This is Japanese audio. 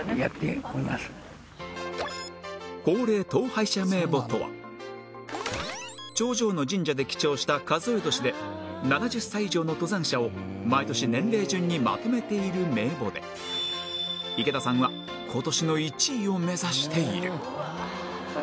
高齢登拝者名簿とは頂上の神社で記帳した数え年で７０歳以上の登山者を毎年年齢順にまとめている名簿で池田さんはうわ！